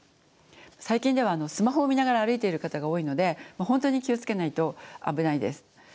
最近ではスマホを見ながら歩いている方が多いので本当に気を付けないと危ないです。